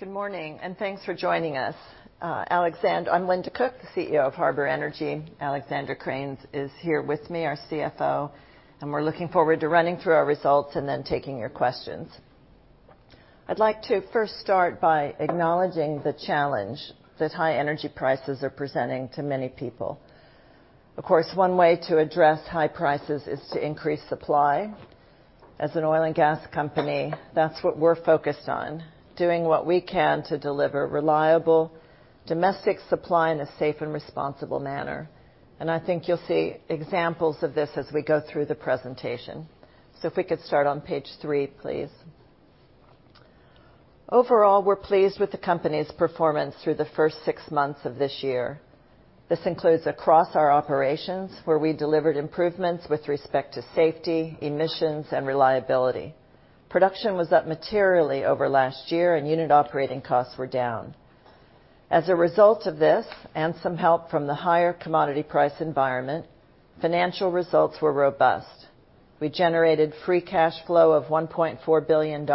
Good morning, and thanks for joining us. I'm Linda Cook, the CEO of Harbour Energy. Alexander Krane is here with me, our CFO, and we're looking forward to running through our results and then taking your questions. I'd like to first start by acknowledging the challenge that high energy prices are presenting to many people. Of course, one way to address high prices is to increase supply. As an oil and gas company, that's what we're focused on, doing what we can to deliver reliable domestic supply in a safe and responsible manner. I think you'll see examples of this as we go through the presentation. If we could start on page three, please. Overall, we're pleased with the company's performance through the first six months of this year. This includes across our operations, where we delivered improvements with respect to safety, emissions, and reliability. Production was up materially over last year, and unit operating costs were down. As a result of this, and some help from the higher commodity price environment, financial results were robust. We generated free cash flow of $1.4 billion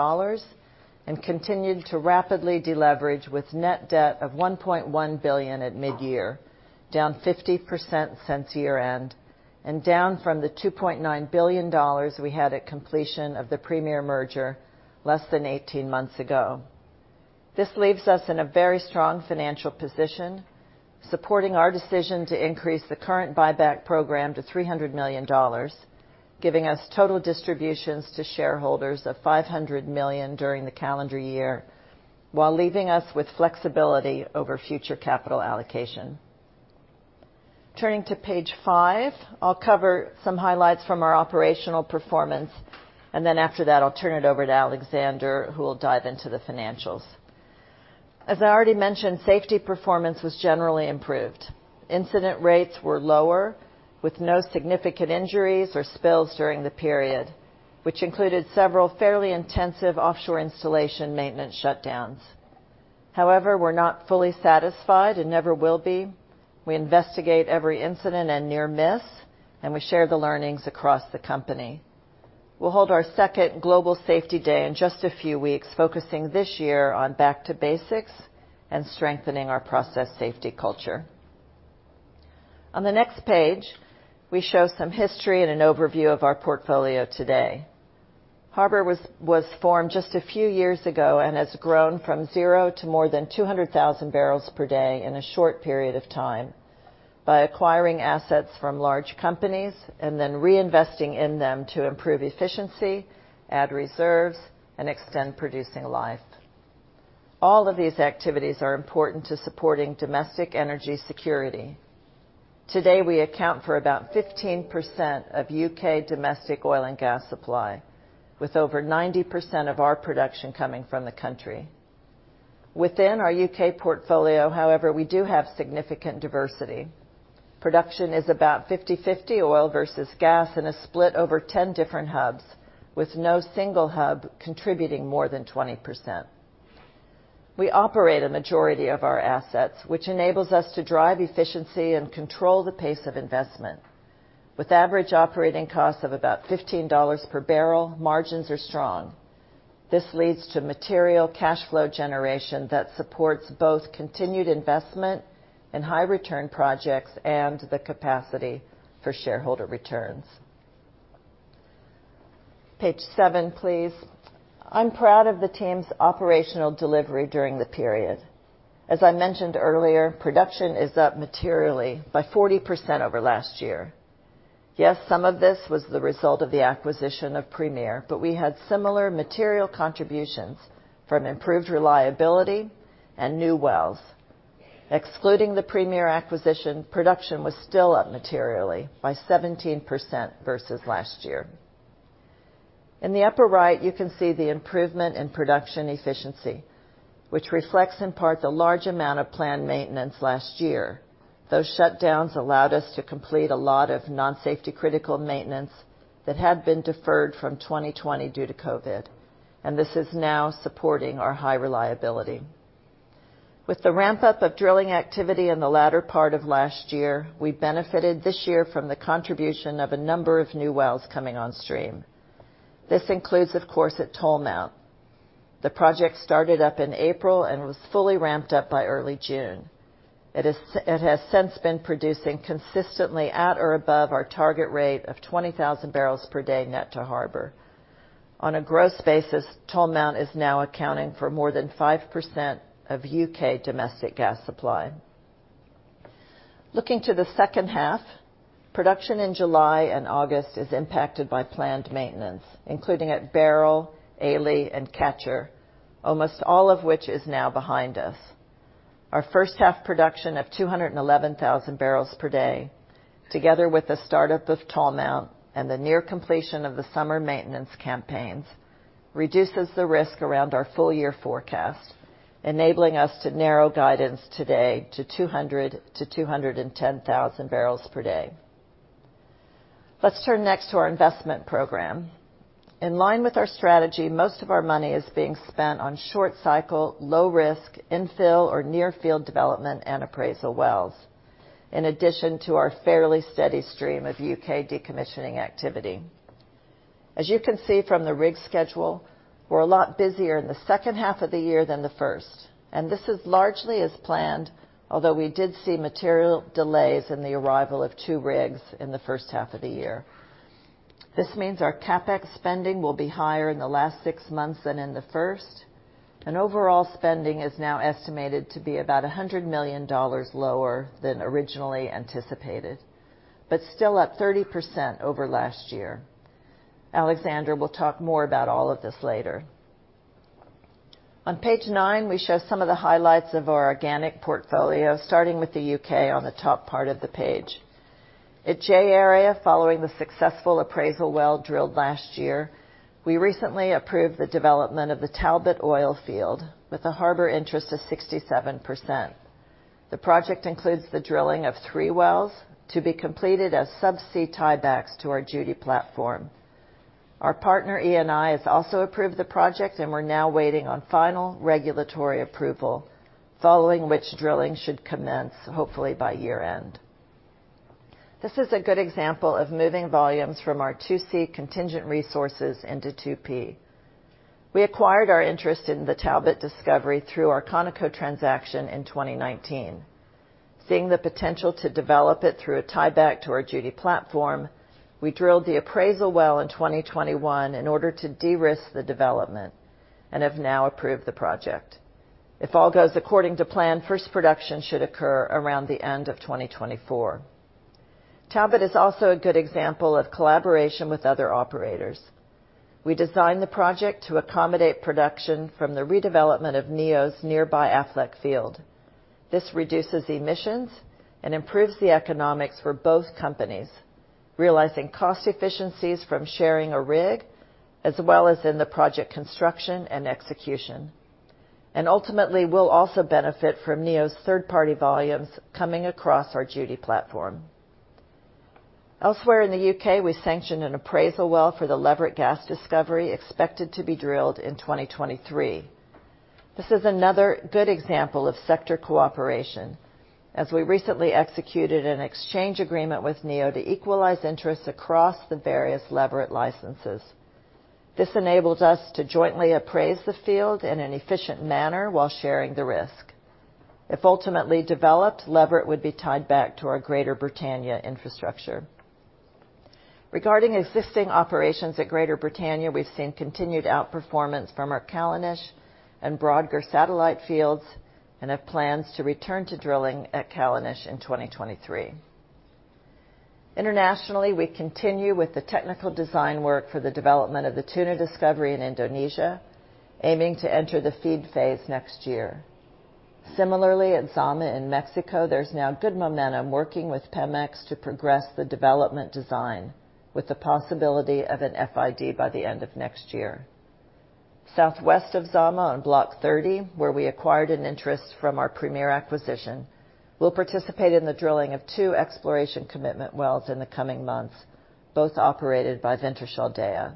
and continued to rapidly deleverage with net debt of $1.1 billion at mid-year, down 50% since year-end and down from the $2.9 billion we had at completion of the Premier merger less than 18 months ago. This leaves us in a very strong financial position, supporting our decision to increase the current buyback program to $300 million, giving us total distributions to shareholders of $500 million during the calendar year, while leaving us with flexibility over future capital allocation. Turning to page five, I'll cover some highlights from our operational performance, and then after that, I'll turn it over to Alexander, who will dive into the financials. As I already mentioned, safety performance was generally improved. Incident rates were lower, with no significant injuries or spills during the period, which included several fairly intensive offshore installation maintenance shutdowns. However, we're not fully satisfied and never will be. We investigate every incident and near miss, and we share the learnings across the company. We'll hold our second Global Safety Day in just a few weeks, focusing this year on back to basics and strengthening our process safety culture. On the next page, we show some history and an overview of our portfolio today. Harbour was formed just a few years ago and has grown from zero to more than 200,000 barrels per day in a short period of time by acquiring assets from large companies and then reinvesting in them to improve efficiency, add reserves, and extend producing life. All of these activities are important to supporting domestic energy security. Today, we account for about 15% of U.K. domestic oil and gas supply, with over 90% of our production coming from the country. Within our U.K. portfolio, however, we do have significant diversity. Production is about 50/50 oil versus gas in a split over 10 different hubs, with no single hub contributing more than 20%. We operate a majority of our assets, which enables us to drive efficiency and control the pace of investment. With average operating costs of about $15 per barrel, margins are strong. This leads to material cash flow generation that supports both continued investment in high return projects and the capacity for shareholder returns. Page seven, please. I'm proud of the team's operational delivery during the period. As I mentioned earlier, production is up materially by 40% over last year. Yes, some of this was the result of the acquisition of Premier, but we had similar material contributions from improved reliability and new wells. Excluding the Premier acquisition, production was still up materially by 17% versus last year. In the upper right, you can see the improvement in production efficiency, which reflects in part the large amount of planned maintenance last year. Those shutdowns allowed us to complete a lot of non-safety critical maintenance that had been deferred from 2020 due to COVID, and this is now supporting our high reliability. With the ramp-up of drilling activity in the latter part of last year, we benefited this year from the contribution of a number of new wells coming on stream. This includes, of course, at Tolmount. The project started up in April and was fully ramped up by early June. It has since been producing consistently at or above our target rate of 20,000 barrels per day net to Harbour. On a gross basis, Tolmount is now accounting for more than 5% of U.K. domestic gas supply. Looking to the second half, production in July and August is impacted by planned maintenance, including at Beryl, J-Area, and Catcher, almost all of which is now behind us. Our first half production of 211,000 barrels per day, together with the startup of Tolmount and the near completion of the summer maintenance campaigns, reduces the risk around our full year forecast, enabling us to narrow guidance today to 200-210,000 barrels per day. Let's turn next to our investment program. In line with our strategy, most of our money is being spent on short cycle, low risk, infill or near field development and appraisal wells. In addition to our fairly steady stream of U.K. decommissioning activity. As you can see from the rig schedule, we're a lot busier in the second half of the year than the first, and this is largely as planned, although we did see material delays in the arrival of two rigs in the first half of the year. This means our CapEx spending will be higher in the last six months than in the first. Overall spending is now estimated to be about $100 million lower than originally anticipated, but still up 30% over last year. Alexander will talk more about all of this later. On page nine, we show some of the highlights of our organic portfolio, starting with the U.K. on the top part of the page. At J area, following the successful appraisal well drilled last year, we recently approved the development of the Talbot Oil Field with a Harbour interest of 67%. The project includes the drilling of three wells to be completed as sub-sea tiebacks to our Judy platform. Our partner, Eni, has also approved the project, and we're now waiting on final regulatory approval, following which drilling should commence, hopefully by year-end. This is a good example of moving volumes from our 2C contingent resources into 2P. We acquired our interest in the Talbot discovery through our ConocoPhillips transaction in 2019. Seeing the potential to develop it through a tieback to our Judy platform, we drilled the appraisal well in 2021 in order to de-risk the development and have now approved the project. If all goes according to plan, first production should occur around the end of 2024. Talbot is also a good example of collaboration with other operators. We designed the project to accommodate production from the redevelopment of NEO Energy's nearby Affleck field. This reduces emissions and improves the economics for both companies, realizing cost efficiencies from sharing a rig, as well as in the project construction and execution. Ultimately, we'll also benefit from NEO Energy's third-party volumes coming across our Judy platform. Elsewhere in the U.K., we sanctioned an appraisal well for the Leverett gas discovery expected to be drilled in 2023. This is another good example of sector cooperation as we recently executed an exchange agreement with NEO Energy to equalize interests across the various Leverett licenses. This enables us to jointly appraise the field in an efficient manner while sharing the risk. If ultimately developed, Leverett would be tied back to our Greater Britannia infrastructure. Regarding existing operations at Greater Britannia, we've seen continued outperformance from our Callanish and Broguer satellite fields and have plans to return to drilling at Callanish in 2023. Internationally, we continue with the technical design work for the development of the Tuna discovery in Indonesia, aiming to enter the FEED phase next year. Similarly, at Zama in Mexico, there's now good momentum working with Pemex to progress the development design with the possibility of an FID by the end of next year. Southwest of Zama on Block 30, where we acquired an interest from our Premier acquisition, we'll participate in the drilling of two exploration commitment wells in the coming months, both operated by Wintershall Dea.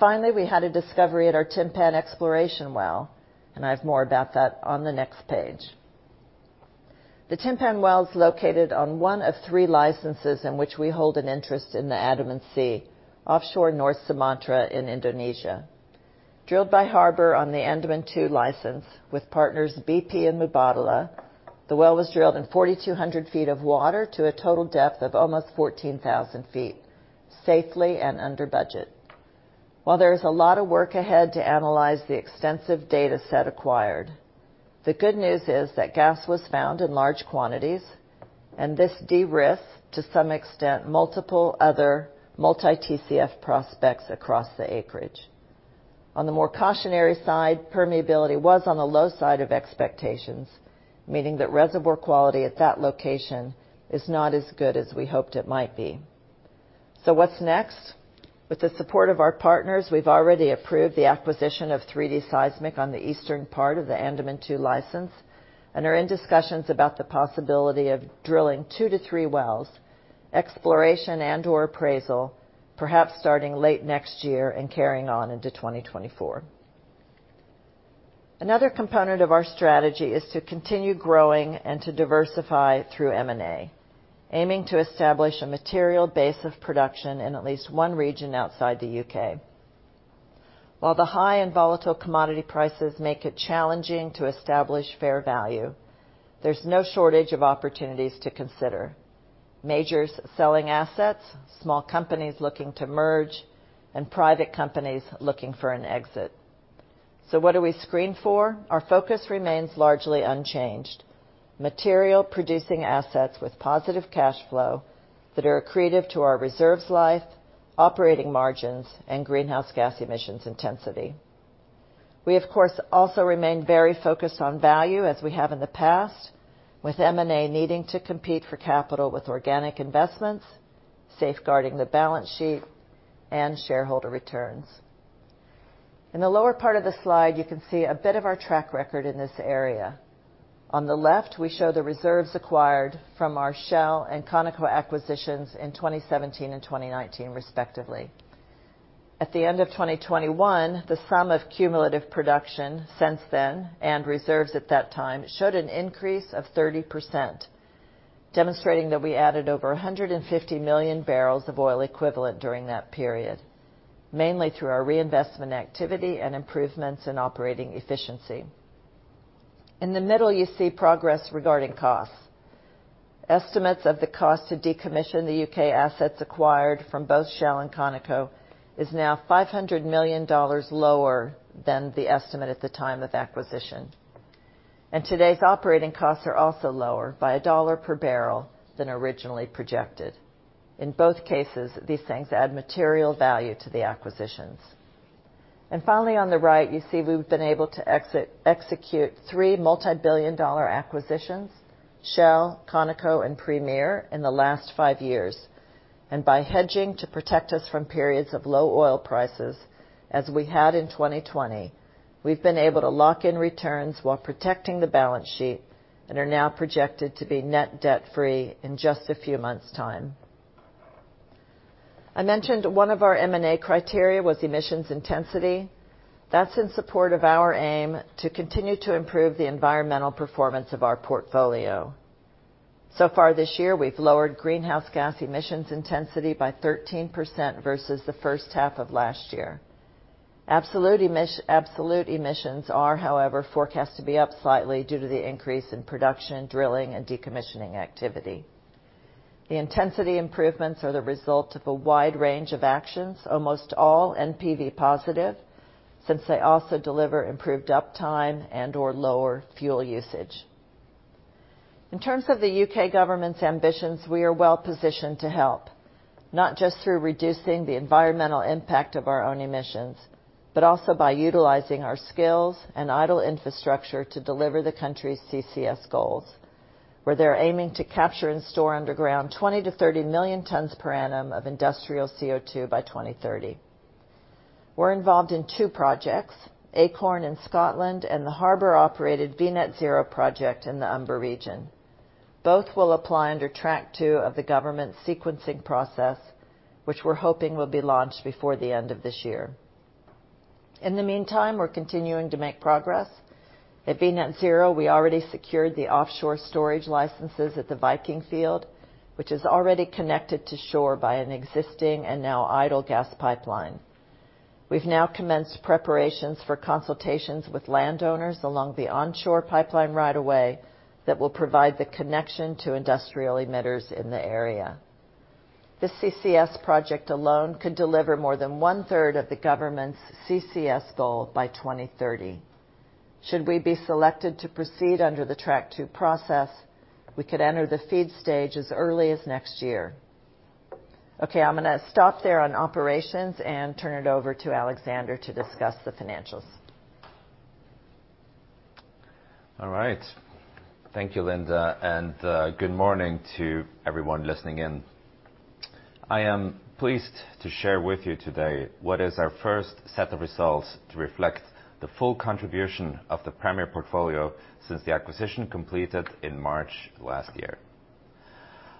Finally, we had a discovery at our Timpan exploration well, and I have more about that on the next page. The Timpan Well is located on one of three licenses in which we hold an interest in the Andaman Sea, offshore North Sumatra in Indonesia. Drilled by Harbour on the Andaman Two license with partners BP and Mubadala, the well was drilled in 4,200 feet of water to a total depth of almost 14,000 feet, safely and under budget. While there is a lot of work ahead to analyze the extensive data set acquired, the good news is that gas was found in large quantities, and this de-risked, to some extent, multiple other multi-TCF prospects across the acreage. On the more cautionary side, permeability was on the low side of expectations, meaning that reservoir quality at that location is not as good as we hoped it might be. What's next? With the support of our partners, we've already approved the acquisition of 3D seismic on the eastern part of the Andaman Two license and are in discussions about the possibility of drilling two to three wells, exploration and/or appraisal, perhaps starting late next year and carrying on into 2024. Another component of our strategy is to continue growing and to diversify through M&A, aiming to establish a material base of production in at least one region outside the U.K.. While the high and volatile commodity prices make it challenging to establish fair value, there's no shortage of opportunities to consider. Majors selling assets, small companies looking to merge, and private companies looking for an exit. What do we screen for? Our focus remains largely unchanged. Material producing assets with positive cash flow that are accretive to our reserves life, operating margins, and greenhouse gas emissions intensity. We, of course, also remain very focused on value as we have in the past, with M&A needing to compete for capital with organic investments, safeguarding the balance sheet, and shareholder returns. In the lower part of the slide, you can see a bit of our track record in this area. On the left, we show the reserves acquired from our Shell and ConocoPhillips acquisitions in 2017 and 2019, respectively. At the end of 2021, the sum of cumulative production since then and reserves at that time showed an increase of 30%, demonstrating that we added over 150 million barrels of oil equivalent during that period, mainly through our reinvestment activity and improvements in operating efficiency. In the middle, you see progress regarding costs. Estimates of the cost to decommission the U.K. assets acquired from both Shell and ConocoPhillips is now $500 million lower than the estimate at the time of acquisition. Today's operating costs are also lower by $1 per barrel than originally projected. In both cases, these things add material value to the acquisitions. Finally, on the right, you see we've been able to execute three multibillion-dollar acquisitions, Shell, Conoco, and Premier in the last five years. By hedging to protect us from periods of low oil prices, as we had in 2020, we've been able to lock in returns while protecting the balance sheet and are now projected to be net debt-free in just a few months' time. I mentioned one of our M&A criteria was emissions intensity. That's in support of our aim to continue to improve the environmental performance of our portfolio. So far this year, we've lowered greenhouse gas emissions intensity by 13% versus the first half of last year. Absolute emissions are, however, forecast to be up slightly due to the increase in production, drilling, and decommissioning activity. The intensity improvements are the result of a wide range of actions, almost all NPV positive, since they also deliver improved uptime and/or lower fuel usage. In terms of the U.K. government's ambitions, we are well-positioned to help, not just through reducing the environmental impact of our own emissions, but also by utilizing our skills and idle infrastructure to deliver the country's CCS goals, where they're aiming to capture and store underground 20-30 million tons per annum of industrial CO2 by 2030. We're involved in two projects, Acorn in Scotland and the Harbour-operated V Net Zero project in the Humber region. Both will apply under Track-2 of the government sequencing process, which we're hoping will be launched before the end of this year. In the meantime, we're continuing to make progress. At V Net Zero, we already secured the offshore storage licenses at the Viking field, which is already connected to shore by an existing and now idle gas pipeline. We've now commenced preparations for consultations with landowners along the onshore pipeline right-of-way that will provide the connection to industrial emitters in the area. This CCS project alone could deliver more than one-third of the government's CCS goal by 2030. Should we be selected to proceed under the Track-2 process, we could enter the FEED stage as early as next year. Okay, I'm gonna stop there on operations and turn it over to Alexander to discuss the financials. All right. Thank you, Linda, and good morning to everyone listening in. I am pleased to share with you today what is our first set of results to reflect the full contribution of the Premier portfolio since the acquisition completed in March last year.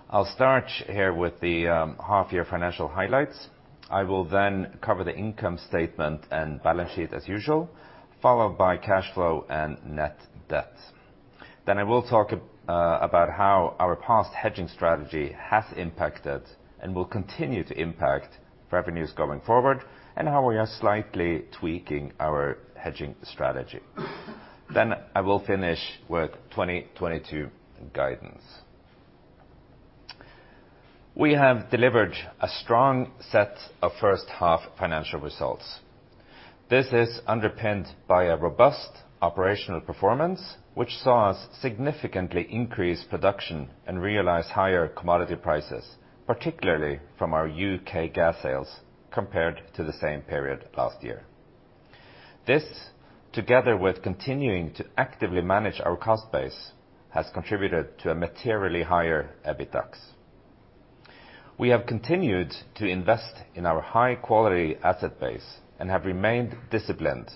I'll start here with the half-year financial highlights. I will then cover the income statement and balance sheet as usual, followed by cash flow and net debt. I will talk about how our past hedging strategy has impacted and will continue to impact revenues going forward and how we are slightly tweaking our hedging strategy. I will finish with 2022 guidance. We have delivered a strong set of first half financial results. This is underpinned by a robust operational performance which saw us significantly increase production and realize higher commodity prices, particularly from our U.K. gas sales compared to the same period last year. This, together with continuing to actively manage our cost base, has contributed to a materially higher EBITDA. We have continued to invest in our high-quality asset base and have remained disciplined,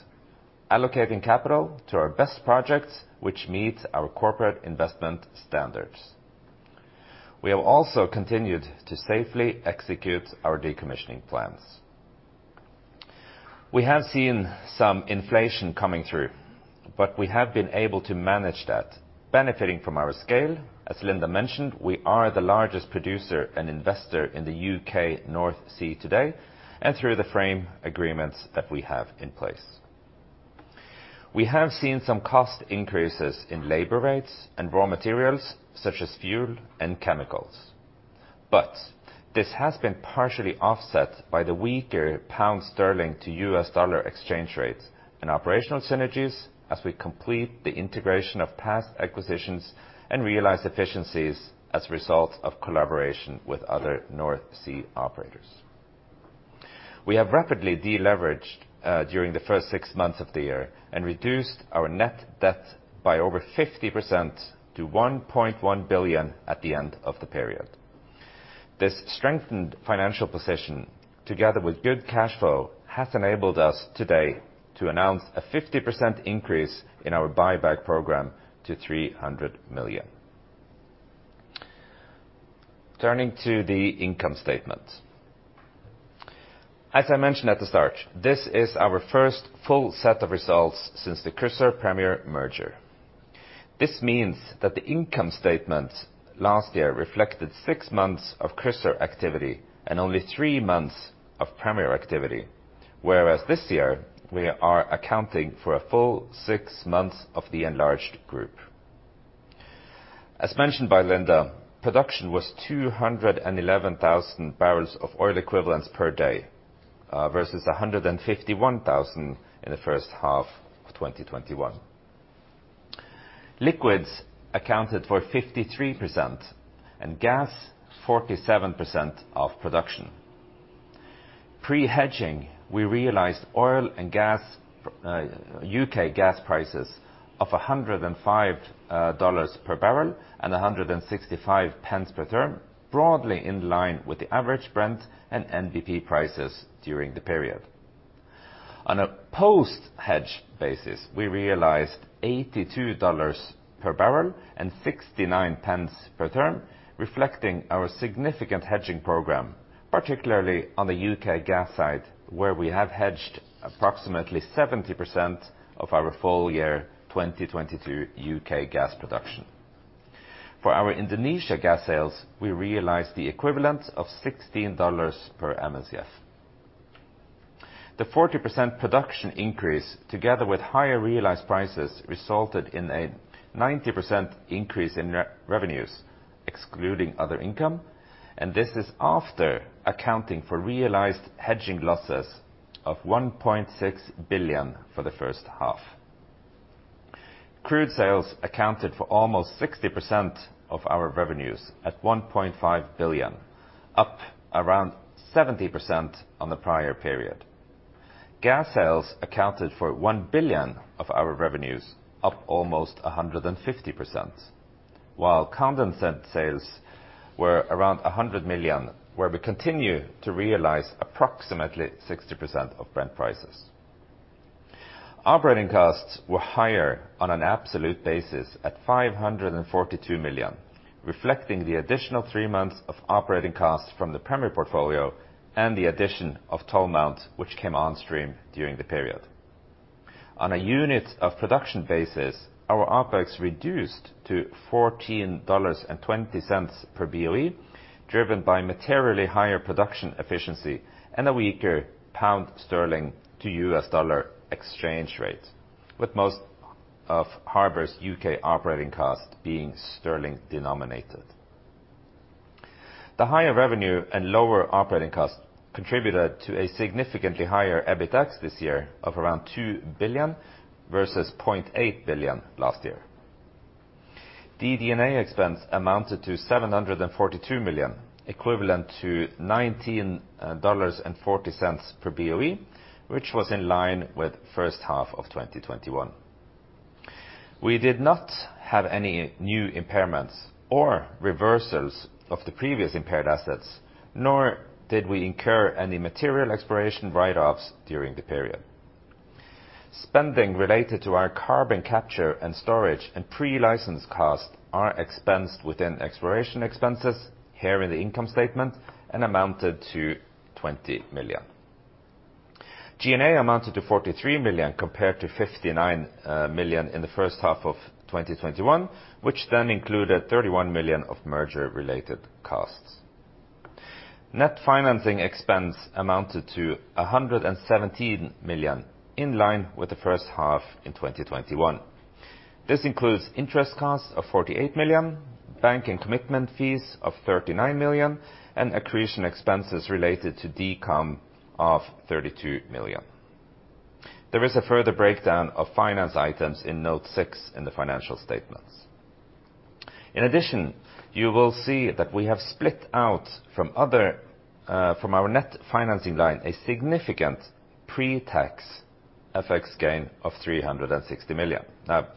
allocating capital to our best projects which meet our corporate investment standards. We have also continued to safely execute our decommissioning plans. We have seen some inflation coming through, but we have been able to manage that, benefiting from our scale. As Linda mentioned, we are the largest producer and investor in the U.K. North Sea today and through the frame agreements that we have in place. We have seen some cost increases in labor rates and raw materials such as fuel and chemicals. This has been partially offset by the weaker pound sterling to U.S. dollar exchange rates and operational synergies as we complete the integration of past acquisitions and realize efficiencies as a result of collaboration with other North Sea operators. We have rapidly deleveraged during the first six months of the year and reduced our net debt by over 50% to $1.1 billion at the end of the period. This strengthened financial position, together with good cash flow, has enabled us today to announce a 50% increase in our buyback program to $300 million. Turning to the income statement. As I mentioned at the start, this is our first full set of results since the Chrysaor-Premier merger. This means that the income statement last year reflected six months of Chrysaor activity and only three months of Premier activity. Whereas this year, we are accounting for a full six months of the enlarged group. As mentioned by Linda, production was 211,000 barrels of oil equivalents per day versus 151,000 in the first half of 2021. Liquids accounted for 53% and gas 47% of production. Pre-hedging, we realized oil prices of $105 per barrel and U.K. gas prices of 165 pence per therm, broadly in line with the average Brent and NBP prices during the period. On a post-hedge basis, we realized $82 per barrel and 69 pence per therm, reflecting our significant hedging program, particularly on the U.K. gas side, where we have hedged approximately 70% of our full year 2022 U.K. gas production. For our Indonesia gas sales, we realized the equivalent of $16 per MCF. The 40% production increase together with higher realized prices resulted in a 90% increase in revenues, excluding other income, and this is after accounting for realized hedging losses of $1.6 billion for the first half. Crude sales accounted for almost 60% of our revenues at $1.5 billion, up around 70% on the prior period. Gas sales accounted for $1 billion of our revenues, up almost 150%. While condensate sales were around $100 million, where we continue to realize approximately 60% of Brent prices. Operating costs were higher on an absolute basis at $542 million, reflecting the additional three months of operating costs from the Premier portfolio and the addition of Tolmount, which came on stream during the period. On a unit of production basis, our OpEx reduced to $14.20 per BOE, driven by materially higher production efficiency and a weaker pound sterling to U.S. dollar exchange rate, with most of Harbour's U.K. operating cost being sterling denominated. The higher revenue and lower operating costs contributed to a significantly higher EBITDA this year of around $2 versus 0.8 billion last year. DD&A expense amounted to $742 million, equivalent to 19.40 per BOE, which was in line with first half of 2021. We did not have any new impairments or reversals of the previous impaired assets, nor did we incur any material exploration write-offs during the period. Spending related to our carbon capture and storage and pre-license costs are expensed within exploration expenses here in the income statement and amounted to $20 million. G&A amounted to $43 million compared to $59 million in the first half of 2021, which then included $31 million of merger-related costs. Net financing expense amounted to $117 million, in line with the first half in 2021. This includes interest costs of $48 million, bank and commitment fees of 39 million, and accretion expenses related to decom of 32 million. There is a further breakdown of finance items in note six in the financial statements. In addition, you will see that we have split out from other, from our net financing line a significant pre-tax FX gain of $360 million. Now,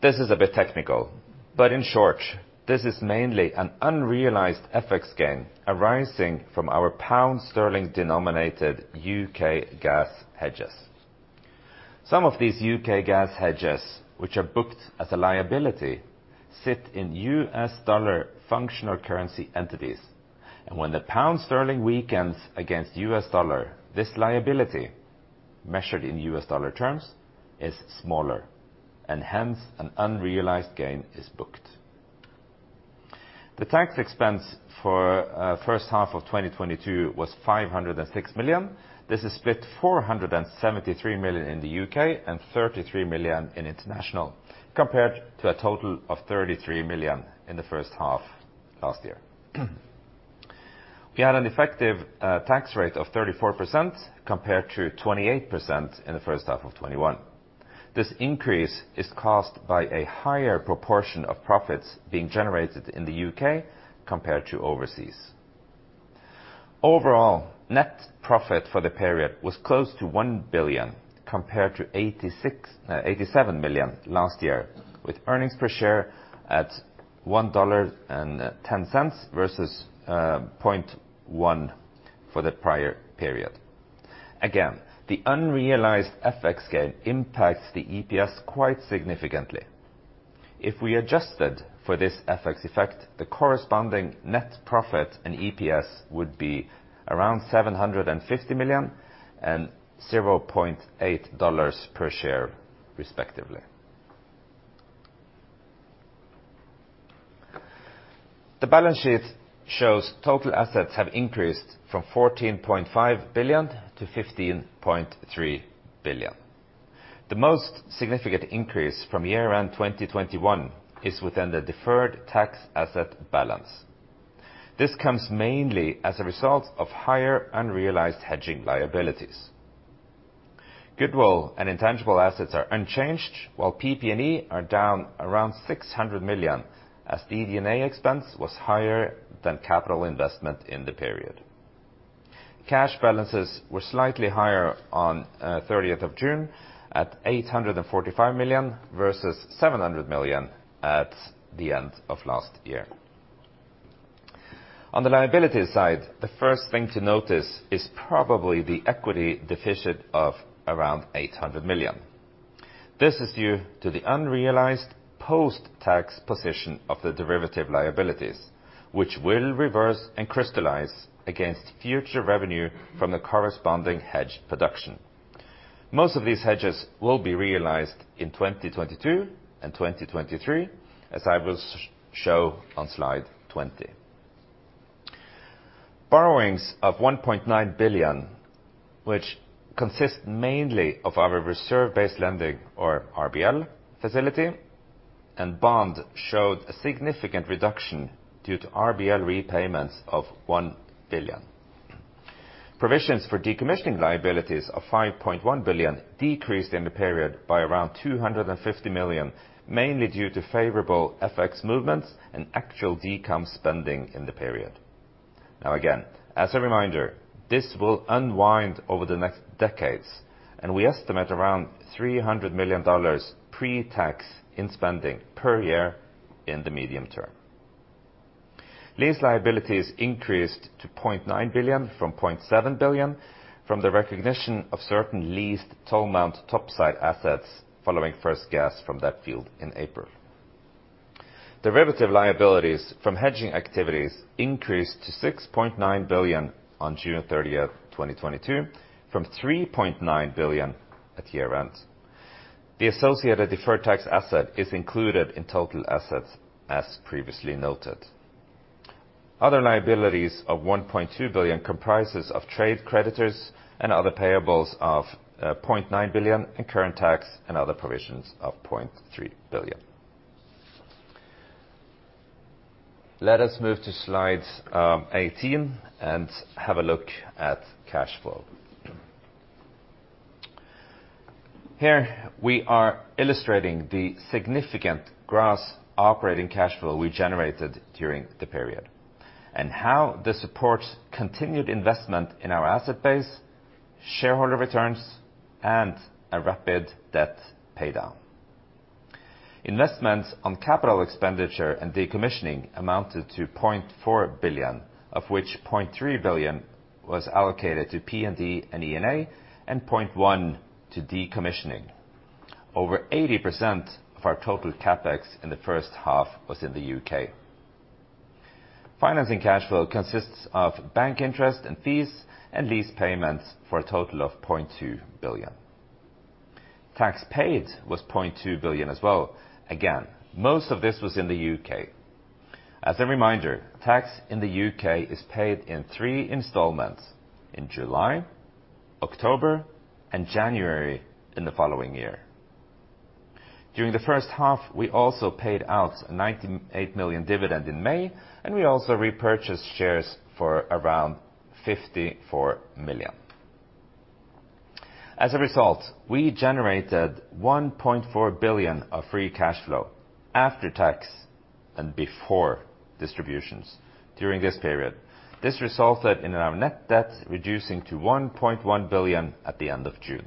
this is a bit technical, but in short, this is mainly an unrealized FX gain arising from our pound sterling denominated U.K. gas hedges. Some of these UK gas hedges, which are booked as a liability, sit in U.S. dollar functional currency entities. When the pound sterling weakens against U.S. dollar, this liability, measured in U.S. dollar terms, is smaller, and hence an unrealized gain is booked. The tax expense for first half of 2022 was $506 million. This is split $473 million in the U.K. and $33 million in international, compared to a total of $33 million in the first half last year. We had an effective tax rate of 34% compared to 28% in the first half of 2021. This increase is caused by a higher proportion of profits being generated in the U.K. compared to overseas. Overall, net profit for the period was close to $1 billion compared to 87 million last year, with earnings per share at $1.10 versus point one for the prior period. Again, the unrealized FX gain impacts the EPS quite significantly. If we adjusted for this FX effect, the corresponding net profit and EPS would be around $750 million, and 0.80 per share, respectively. The balance sheet shows total assets have increased from $14.5 to 15.3 billion. The most significant increase from year-end 2021 is within the deferred tax asset balance. This comes mainly as a result of higher unrealized hedging liabilities. Goodwill and intangible assets are unchanged, while PP&E are down around $600 million, as the E&A expense was higher than capital investment in the period. Cash balances were slightly higher on 30 June at $845 versus 700 million at the end of last year. On the liability side, the first thing to notice is probably the equity deficit of around $800 million. This is due to the unrealized post-tax position of the derivative liabilities, which will reverse and crystallize against future revenue from the corresponding hedge production. Most of these hedges will be realized in 2022 and 2023, as I will show on slide 20. Borrowings of $1.9 billion, which consist mainly of our reserve-based lending, or RBL facility, and bond showed a significant reduction due to RBL repayments of $1 billion. Provisions for decommissioning liabilities of $5.1 billion decreased in the period by around $250 million, mainly due to favorable FX movements and actual decom spending in the period. Now again, as a reminder, this will unwind over the next decades, and we estimate around $300 million pre-tax in spending per year in the medium term. Lease liabilities increased to $0.9 from 0.7 billion from the recognition of certain leased Tolmount topside assets following first gas from that field in April. Derivative liabilities from hedging activities increased to $6.9 billion on June 30, 2022, from $3.9 billion at year-end. The associated deferred tax asset is included in total assets, as previously noted. Other liabilities of $1.2 billion comprises of trade creditors and other payables of $0.9 billion, and current tax and other provisions of $0.3 billion. Let us move to slides 18 and have a look at cash flow. Here we are illustrating the significant gross operating cash flow we generated during the period, and how this supports continued investment in our asset base, shareholder returns, and a rapid debt paydown. Investments on capital expenditure and decommissioning amounted to $0.4 billion, of which $0.3 billion was allocated to P&E and E&A, and $0.1 billion to decommissioning. Over 80% of our total CapEx in the first half was in the U.K.. Financing cash flow consists of bank interest and fees and lease payments for a total of $0.2 billion. Tax paid was $0.2 billion as well. Again, most of this was in the U.K.. As a reminder, tax in the U.K. is paid in three installments in July, October, and January in the following year. During the first half, we also paid out a $98 million dividend in May, and we also repurchased shares for around $54 million. As a result, we generated $1.4 billion of free cash flow after tax and before distributions during this period. This resulted in our net debt reducing to $1.1 billion at the end of June.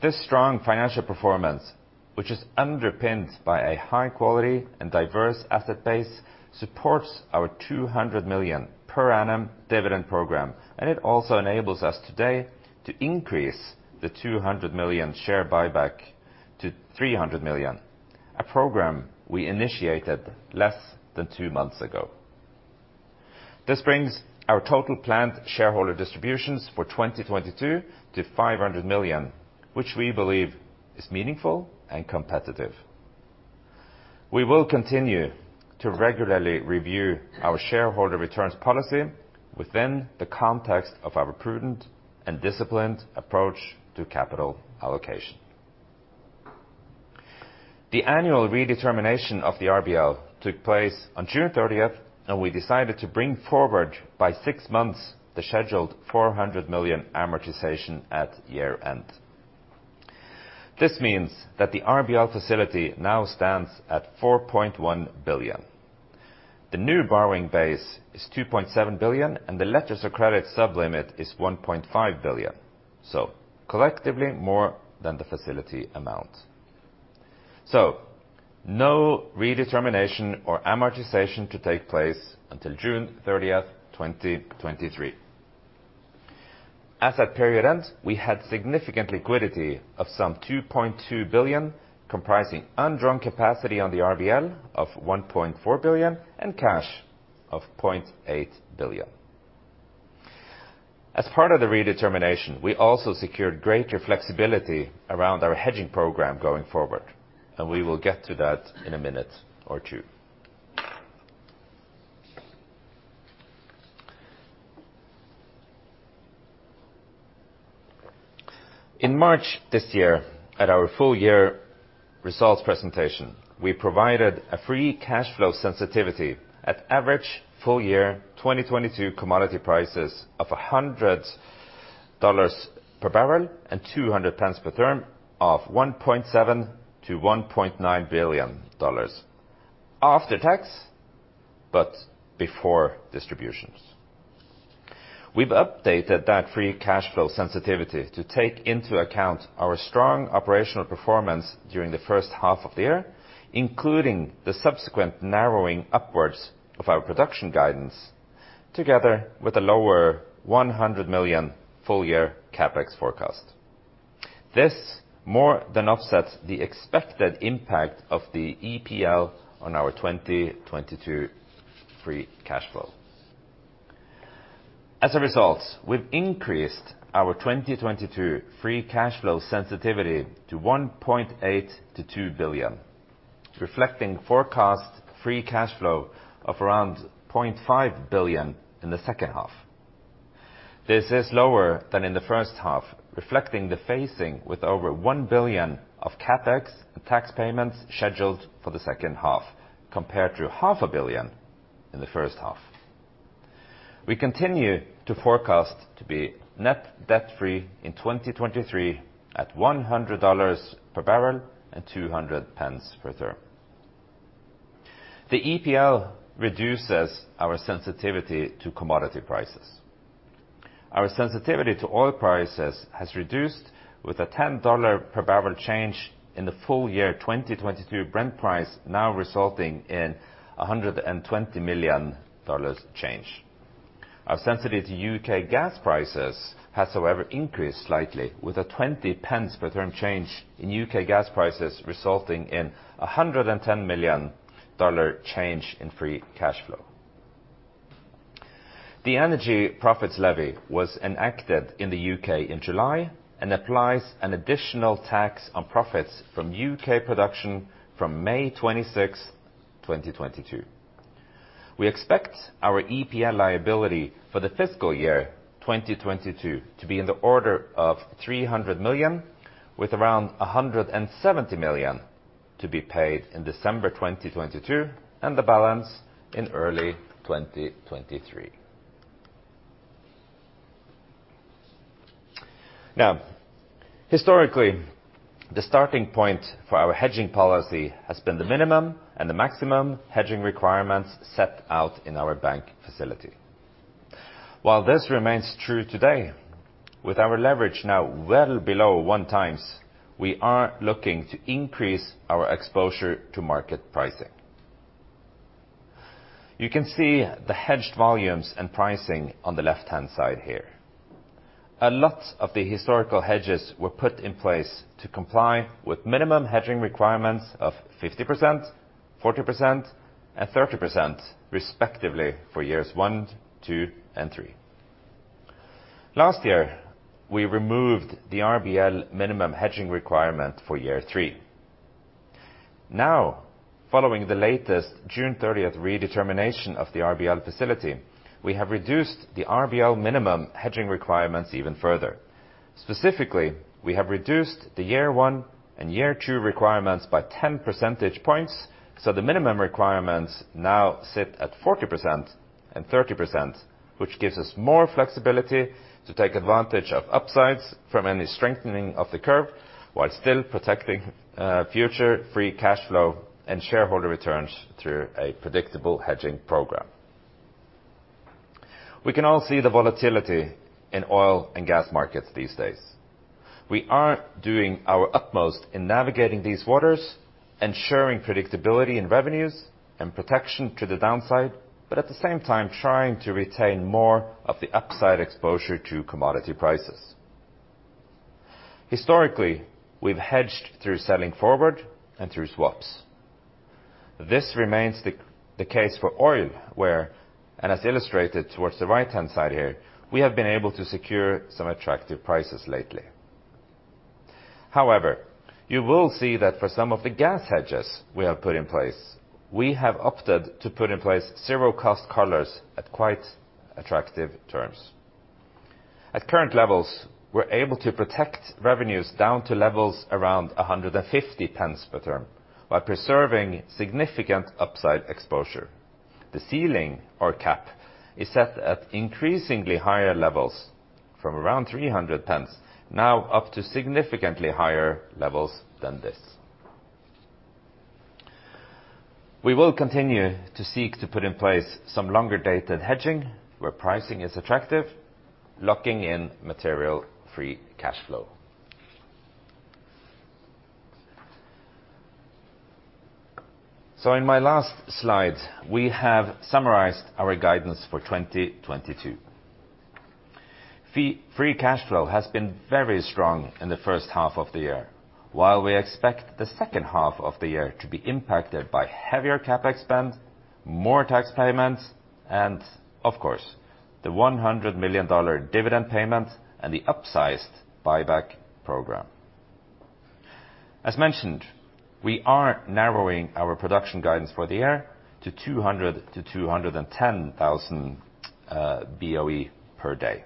This strong financial performance, which is underpinned by a high quality and diverse asset base, supports our $200 million per annum dividend program, and it also enables us today to increase the $200 share buyback to 300 million, a program we initiated less than two months ago. This brings our total planned shareholder distributions for 2022 to $500 million, which we believe is meaningful and competitive. We will continue to regularly review our shareholder returns policy within the context of our prudent and disciplined approach to capital allocation. The annual redetermination of the RBL took place on June 30, and we decided to bring forward by six months the scheduled $400 million amortization at year-end. This means that the RBL facility now stands at $4.1 billion. The new borrowing base is $2.7 billion, and the letters of credit sublimit is $1.5 billion. Collectively, more than the facility amount. No redetermination or amortization to take place until June 30, 2023. As at period end, we had significant liquidity of some $2.2 billion, comprising undrawn capacity on the RBL of $1.4 billion, and cash of 0.8 billion. As part of the redetermination, we also secured greater flexibility around our hedging program going forward, and we will get to that in a minute or two. In March this year, at our full year results presentation, we provided a free cash flow sensitivity at average full year 2022 commodity prices of $100 per barrel and 200 pence per therm of $1.7-1.9 billion after tax, but before distributions. We've updated that free cash flow sensitivity to take into account our strong operational performance during the first half of the year, including the subsequent narrowing upwards of our production guidance, together with a lower $100 million full year CapEx forecast. This more than offsets the expected impact of the EPL on our 2022 free cash flow. As a result, we've increased our 2022 free cash flow sensitivity to $1.8-2 billion, reflecting forecast free cash flow of around $0.5 billion in the second half. This is lower than in the first half, reflecting the phasing with over $1 billion of CapEx and tax payments scheduled for the second half compared to 0.5 billion in the first half. We continue to forecast to be net debt-free in 2023 at $100 per barrel and 200 pence per therm. The EPL reduces our sensitivity to commodity prices. Our sensitivity to oil prices has reduced with a $10 per barrel change in the full year 2022 Brent price now resulting in a $120 million change. Our sensitivity to U.K. gas prices has, however, increased slightly, with a 0.20 pence per therm change in U.K. gas prices resulting in a $110 million change in free cash flow. The Energy Profits Levy was enacted in the U.K. in July and applies an additional tax on profits from U.K. production from May 26, 2022. We expect our EPL liability for the fiscal year 2022 to be in the order of $300 million, with around a $170 million to be paid in December 2022, and the balance in early 2023. Now, historically, the starting point for our hedging policy has been the minimum and the maximum hedging requirements set out in our bank facility. While this remains true today, with our leverage now well below one times, we are looking to increase our exposure to market pricing. You can see the hedged volumes and pricing on the left-hand side here. A lot of the historical hedges were put in place to comply with minimum hedging requirements of 50%, 40%, and 30% respectively for years one, two, and three. Last year, we removed the RBL minimum hedging requirement for year three. Now, following the latest June 30 redetermination of the RBL facility, we have reduced the RBL minimum hedging requirements even further. Specifically, we have reduced the year one and year two requirements by 10 percentage points, so the minimum requirements now sit at 40% and 30%, which gives us more flexibility to take advantage of upsides from any strengthening of the curve while still protecting future free cash flow and shareholder returns through a predictable hedging program. We can all see the volatility in oil and gas markets these days. We are doing our utmost in navigating these waters, ensuring predictability in revenues and protection to the downside, but at the same time trying to retain more of the upside exposure to commodity prices. Historically, we've hedged through selling forward and through swaps. This remains the case for oil, where, and as illustrated towards the right-hand side here, we have been able to secure some attractive prices lately. However, you will see that for some of the gas hedges we have put in place, we have opted to put in place zero cost collars at quite attractive terms. At current levels, we're able to protect revenues down to levels around 150 pence per therm while preserving significant upside exposure. The ceiling or cap is set at increasingly higher levels from around 300 pence now up to significantly higher levels than this. We will continue to seek to put in place some longer-dated hedging where pricing is attractive, locking in material free cash flow. In my last slide, we have summarized our guidance for 2022. Free cash flow has been very strong in the first half of the year. While we expect the second half of the year to be impacted by heavier CapEx spend, more tax payments, and of course the $100 million dividend payment and the upsized buyback program. As mentioned, we are narrowing our production guidance for the year to 200-210 thousand BOE per day.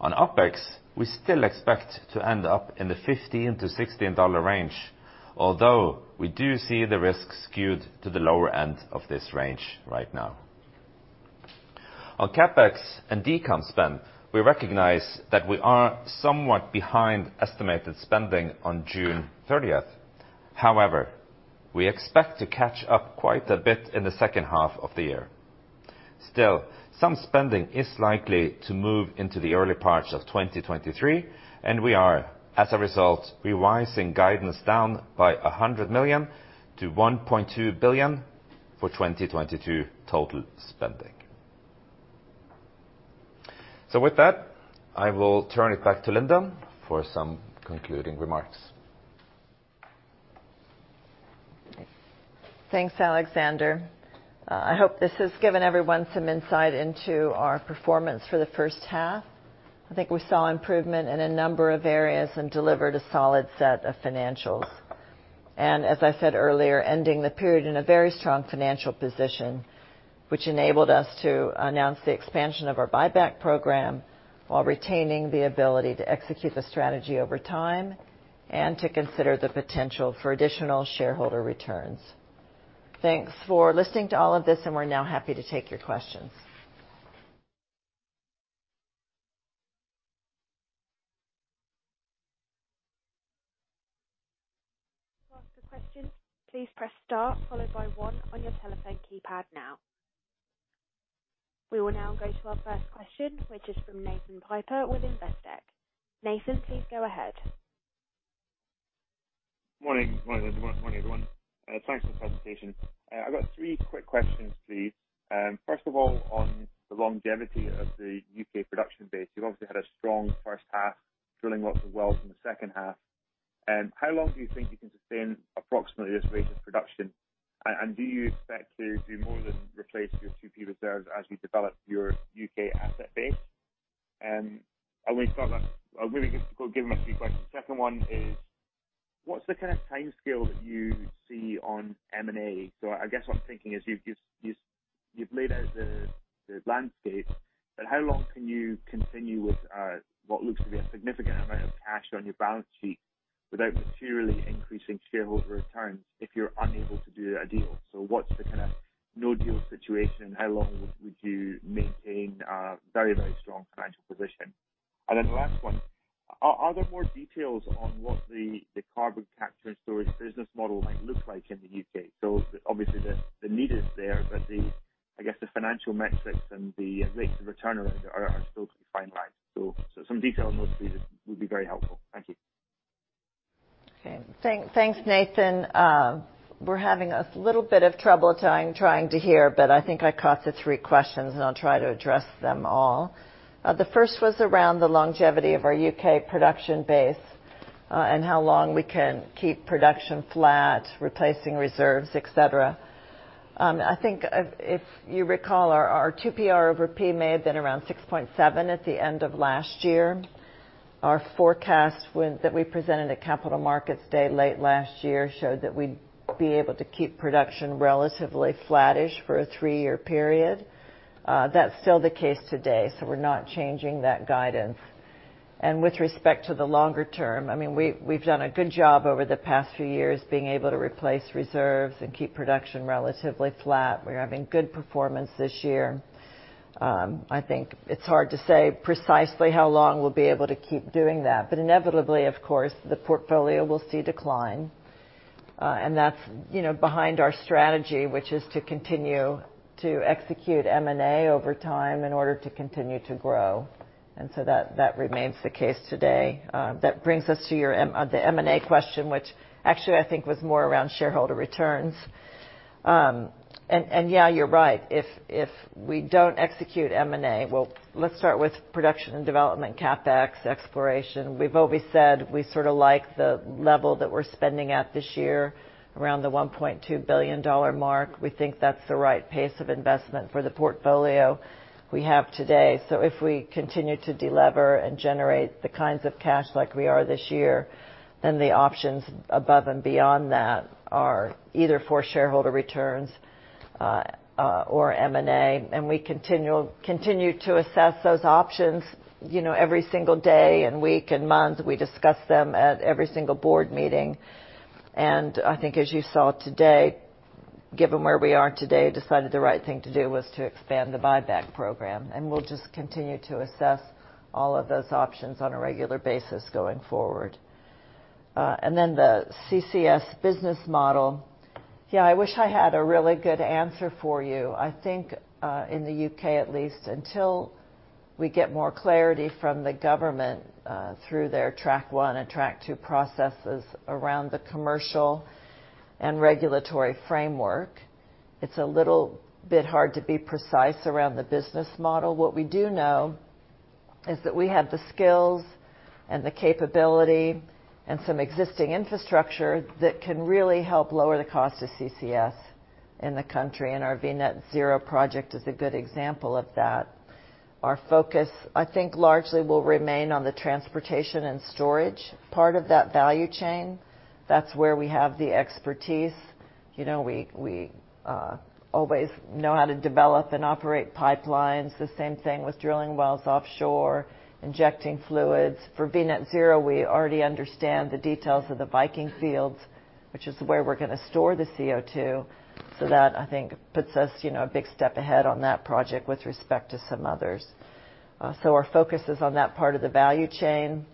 On OpEx, we still expect to end up in the $15-16 range, although we do see the risk skewed to the lower end of this range right now. On CapEx and decom spend, we recognize that we are somewhat behind estimated spending on June 30. However, we expect to catch up quite a bit in the second half of the year. Still, some spending is likely to move into the early parts of 2023, and we are, as a result, revising guidance down by $100 million to 1.2 billion for 2022 total spending. With that, I will turn it back to Linda for some concluding remarks. Thanks, Alexander. I hope this has given everyone some insight into our performance for the first half. I think we saw improvement in a number of areas and delivered a solid set of financials. As I said earlier, ending the period in a very strong financial position, which enabled us to announce the expansion of our buyback program while retaining the ability to execute the strategy over time and to consider the potential for additional shareholder returns. Thanks for listening to all of this, and we're now happy to take your questions. To ask a question, please press star followed by one on your telephone keypad now. We will now go to our first question, which is from Nathan Piper with Investec. Nathan, please go ahead. Morning. Morning, everyone. Thanks for the presentation. I've got three quick questions, please. First of all, on the longevity of the U.K. production base, you've obviously had a strong first half, drilling lots of wells in the second half. How long do you think you can sustain approximately this rate of production? And do you expect to do more than replace your 2P reserves as you develop your U.K. asset base? Second one is, what's the kind of timescale that you see on M&A? So I guess what I'm thinking is you've laid out the landscape, but how long can you continue with what looks to be a significant amount of cash on your balance sheet without materially increasing shareholder returns if you're unable to do a deal? What's the kind of no-deal situation? How long would you maintain a very, very strong financial position? And then the last one, are there more details on what the carbon capture and storage business model might look like in the U.K.? Obviously the need is there, but I guess, the financial metrics and the rates of return are still to be finalized. Some detail on those, please, would be very helpful. Thank you. Okay. Thanks, Nathan. We're having a little bit of trouble trying to hear, but I think I caught the three questions, and I'll try to address them all. The first was around the longevity of our U.K. production base, and how long we can keep production flat, replacing reserves, et cetera. I think if you recall, our 2P R/P may have been around 6.7 at the end of last year. Our forecast that we presented at Capital Markets Day late last year showed that we'd be able to keep production relatively flattish for a three-year period. That's still the case today, so we're not changing that guidance. With respect to the longer term, I mean, we've done a good job over the past few years being able to replace reserves and keep production relatively flat. We're having good performance this year. I think it's hard to say precisely how long we'll be able to keep doing that. Inevitably, of course, the portfolio will see decline, and that's, you know, behind our strategy, which is to continue to execute M&A over time in order to continue to grow. That remains the case today. That brings us to the M&A question, which actually I think was more around shareholder returns. Yeah, you're right. If we don't execute M&A, well, let's start with production and development CapEx, exploration. We've always said we sort of like the level that we're spending at this year, around the $1.2 billion mark. We think that's the right pace of investment for the portfolio we have today. If we continue to delever and generate the kinds of cash like we are this year, then the options above and beyond that are either for shareholder returns, or M&A, and we continue to assess those options, you know, every single day and week and month. We discuss them at every single board meeting. I think as you saw today, given where we are today, decided the right thing to do was to expand the buyback program. We'll just continue to assess all of those options on a regular basis going forward. The CCS business model. Yeah, I wish I had a really good answer for you. I think, in the U.K. at least, until we get more clarity from the government, through their Track-1 and Track-2 processes around the commercial and regulatory framework, it's a little bit hard to be precise around the business model. What we do know is that we have the skills and the capability and some existing infrastructure that can really help lower the cost of CCS in the country, and our V Net Zero project is a good example of that. Our focus, I think, largely will remain on the transportation and storage part of that value chain. That's where we have the expertise. You know, we always know how to develop and operate pipelines. The same thing with drilling wells offshore, injecting fluids. For V Net Zero, we already understand the details of the Viking fields, which is where we're gonna store the CO2. That, I think, puts us, you know, a big step ahead on that project with respect to some others. Our focus is on that part of the value chain.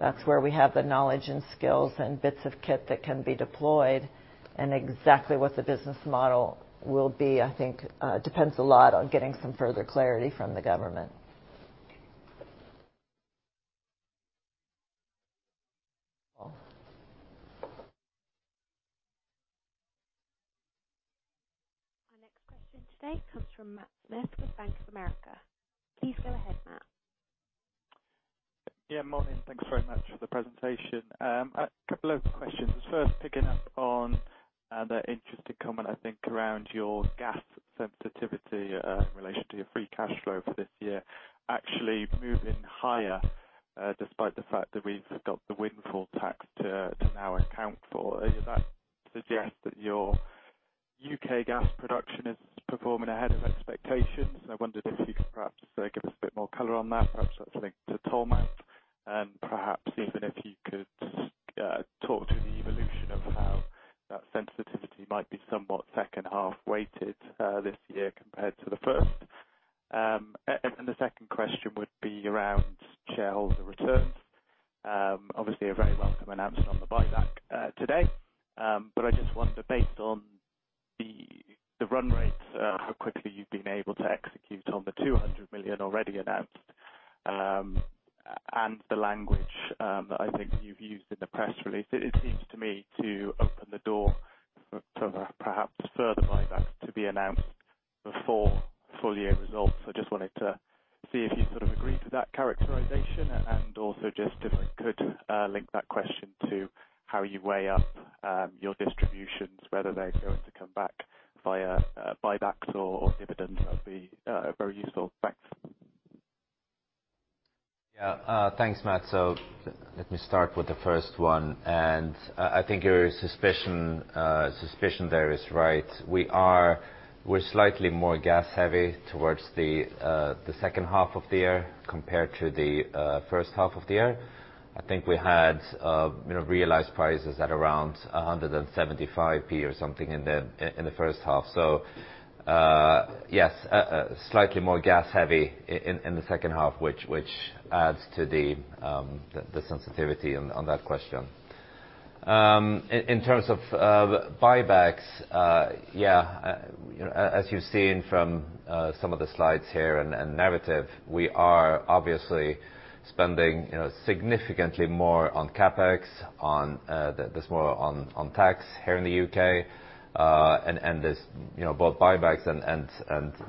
That's where we have the knowledge and skills and bits of kit that can be deployed and exactly what the business model will be, I think, depends a lot on getting some further clarity from the government. Our next question today comes from Matt Smith with Bank of America. Please go ahead, Matt. Yeah, morning. Thanks very much for the presentation. A couple of questions. First, picking up on the interesting comment, I think, around your gas sensitivity in relation to your free cash flow for this year actually moving higher despite the fact that we've got the windfall tax to now account for. Does that suggest that your U.K. gas production is performing ahead of expectations? I wondered if you could perhaps give us a bit more color on that. Perhaps that's linked to Tolmount. And perhaps even if you Yes, slightly more gas-heavy in the second half, which adds to the sensitivity on that question. In terms of buybacks, yeah, you know, as you've seen from some of the slides here and narrative, we are obviously spending, you know, significantly more on CapEx, there's more on tax here in the U.K., and there's, you know, both buybacks and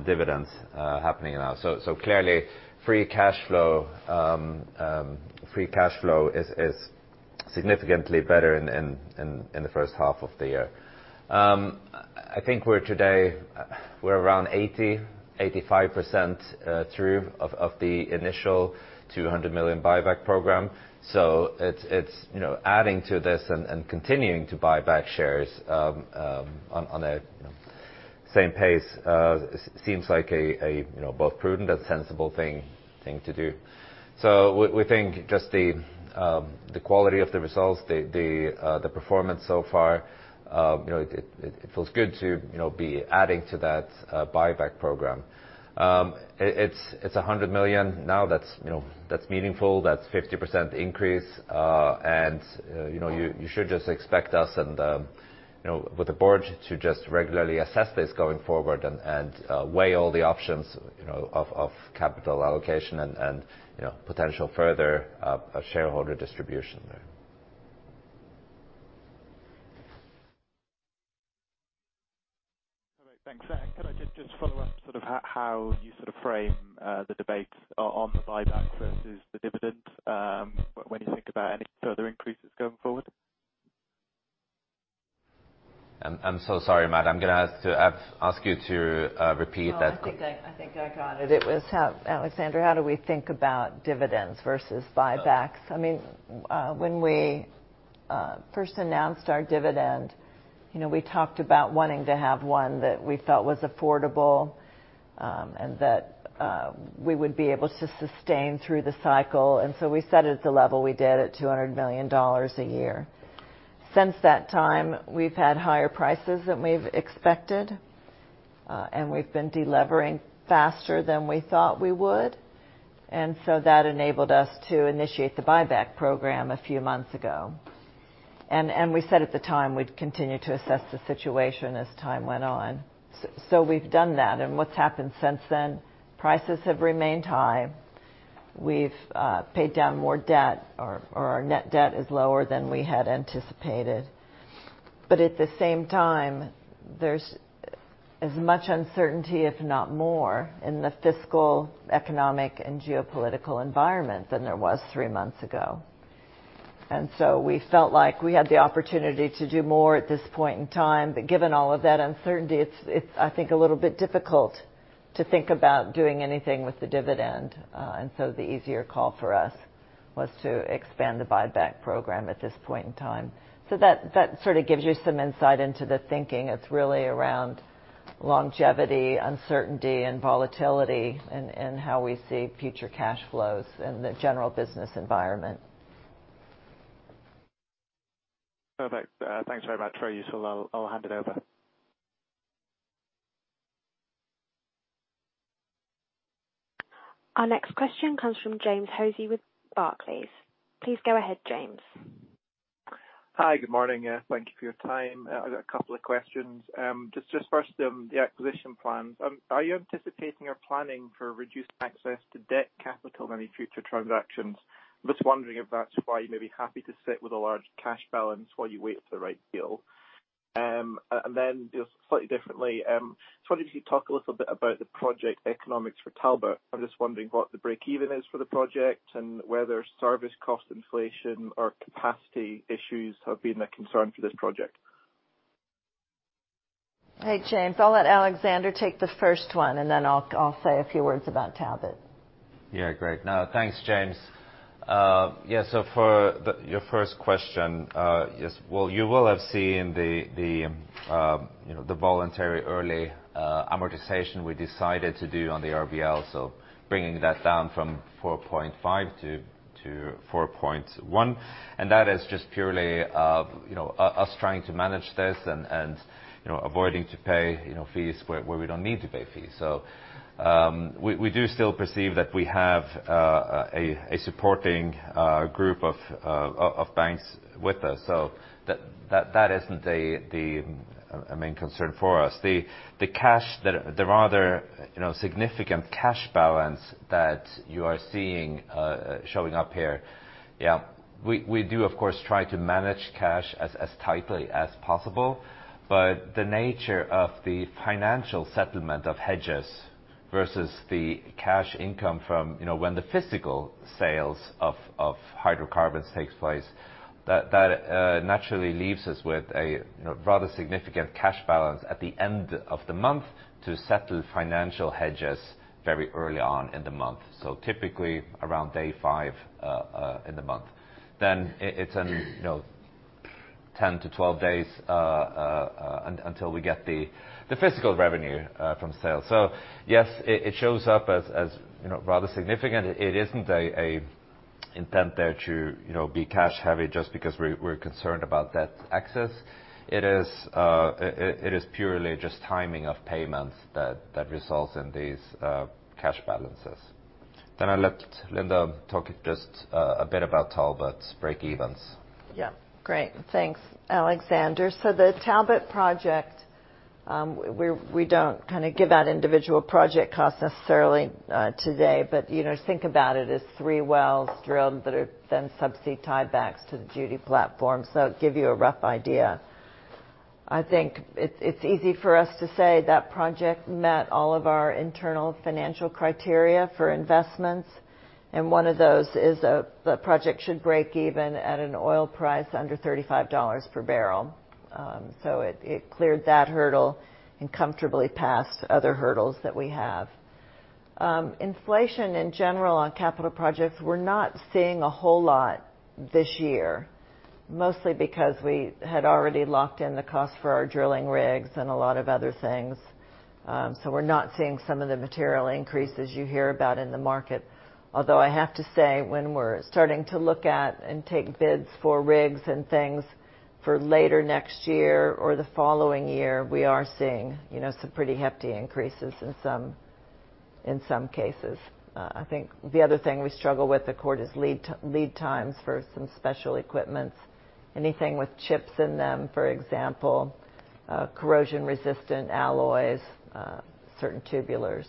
dividends happening now. Clearly, free cash flow is significantly better in the first half of the year. I think we're today around 85% through the initial $200 million buyback program. It's, you know, adding to this and continuing to buy back shares on a, you know, same pace, seems like a, you know, both prudent and sensible thing to do. We think just the quality of the results, the performance so far, you know, it feels good to you know, be adding to that buyback program. It's $100 million now that's you know, that's meaningful. That's 50% increase. You know, you should just expect us you know, with the board to just regularly assess this going forward and weigh all the options you know, of capital allocation and you know, potential further shareholder distribution there. All right. Thanks. Can I just follow up sort of how you sort of frame the debate on the buyback versus the dividend, when you think about any further increases going forward? I'm so sorry, Matt. I'm gonna ask you to repeat that. Well, I think I got it. It was how, Alexander, how do we think about dividends versus buybacks? I mean, when we first announced our dividend, you know, we talked about wanting to have one that we felt was affordable, and that we would be able to sustain through the cycle. We set it at the level we did at $200 million a year. Since that time, we've had higher prices than we've expected, and we've been de-levering faster than we thought we would. That enabled us to initiate the buyback program a few months ago. We said at the time we'd continue to assess the situation as time went on. So we've done that, and what's happened since then, prices have remained high. We've paid down more debt, or our net debt is lower than we had anticipated. At the same time, there's as much uncertainty, if not more, in the fiscal, economic, and geopolitical environment than there was three months ago. We felt like we had the opportunity to do more at this point in time, but given all of that uncertainty, it's, I think, a little bit difficult to think about doing anything with the dividend. The easier call for us was to expand the buyback program at this point in time. That sort of gives you some insight into the thinking. It's really around longevity, uncertainty, and volatility in how we see future cash flows and the general business environment. Perfect. Thanks very much. I'll hand it over. Our next question comes from James Hosie with Barclays. Please go ahead, James. Hi. Good morning. Thank you for your time. I got a couple of questions. Just first, the acquisition plans. Are you anticipating or planning for reduced access to debt capital in any future transactions? I'm just wondering if that's why you may be happy to sit with a large cash balance while you wait for the right deal. Just slightly differently, just wondered if you could talk a little bit about the project economics for Talbot. I'm just wondering what the breakeven is for the project and whether service cost inflation or capacity issues have been a concern for this project. Hey, James. I'll let Alexander take the first one, and then I'll say a few words about Talbot. Yeah, great. No, thanks, James. Yeah, for your first question, yes, well, you will have seen the voluntary early amortization we decided to do on the RBL, so bringing that down from $4.5 to 4.1, and that is just purely you know us trying to manage this and you know avoiding to pay you know fees where we don't need to pay fees. We do still perceive that we have a supporting group of banks with us. That isn't a main concern for us. The cash that.... The rather, you know, significant cash balance that you are seeing, showing up here, we do, of course, try to manage cash as tightly as possible, but the nature of the financial settlement of hedges versus the cash income from, you know, when the physical sales of hydrocarbons takes place, that naturally leaves us with a, you know, rather significant cash balance at the end of the month to settle financial hedges very early on in the month, so typically around day five in the month. Then it's, you know, 10 to 12 days until we get the physical revenue from sales. So yes, it shows up as, you know, rather significant. It isn't an intent there to, you know, be cash heavy just because we're concerned about debt access. It is purely just timing of payments that results in these cash balances. I'll let Linda talk just a bit about Talbot's breakevens. Yeah. Great. Thanks, Alexander. The Talbot project, we don't kind of give out individual project costs necessarily, today. You know, think about it as three wells drilled that are then subsea tiebacks to the Judy platform, it'd give you a rough idea. I think it's easy for us to say that project met all of our internal financial criteria for investments, and one of those is the project should break even at an oil price under $35 per barrel. It cleared that hurdle and comfortably passed other hurdles that we have. Inflation in general on capital projects, we're not seeing a whole lot this year, mostly because we had already locked in the cost for our drilling rigs and a lot of other things. We're not seeing some of the material increases you hear about in the market, although I have to say, when we're starting to look at and take bids for rigs and things for later next year or the following year, we are seeing, you know, some pretty hefty increases in some cases. I think the other thing we struggle with, of course, is lead times for some special equipment, anything with chips in them, for example, corrosion-resistant alloys, certain tubulars.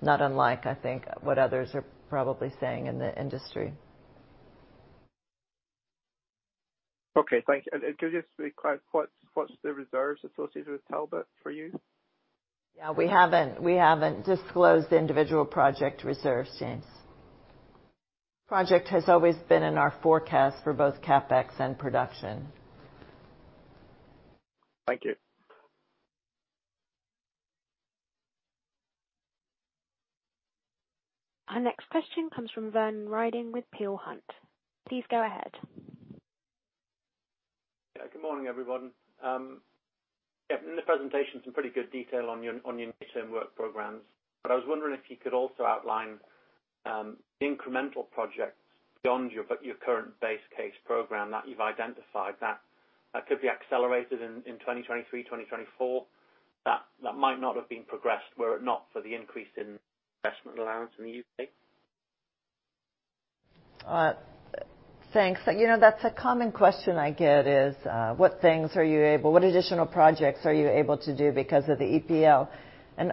Not unlike, I think, what others are probably seeing in the industry. Okay, thank you. Could you just be clear what's the reserves associated with Talbot for you? Yeah. We haven't disclosed individual project reserves, James. Project has always been in our forecast for both CapEx and production. Thank you. Our next question comes from Werner Riding with Peel Hunt. Please go ahead. Yeah. Good morning, everyone. Yeah, in the presentation, some pretty good detail on your near-term work programs, but I was wondering if you could also outline incremental projects beyond your current base case program that you've identified that could be accelerated in 2023, 2024, that might not have been progressed were it not for the increase in investment allowance in the U.K.? Thanks. You know, that's a common question I get is, what additional projects are you able to do because of the EPL?